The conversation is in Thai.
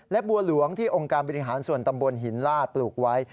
และบัวหลวงที่องค์การบริหารส่วนตำบลหินลาดปลูกไว้